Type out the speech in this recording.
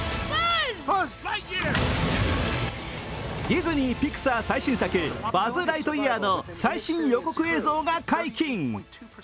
ディズニー／ピクサー最新作、「バズ・ライトイヤー」の最新予告映像が解禁。